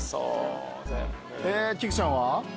菊ちゃんは？